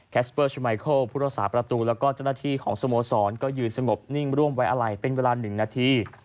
สเปอร์ชิไมเคิลผู้รักษาประตูแล้วก็เจ้าหน้าที่ของสโมสรก็ยืนสงบนิ่งร่วมไว้อะไรเป็นเวลา๑นาที